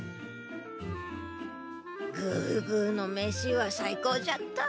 グーグーのメシは最高じゃった。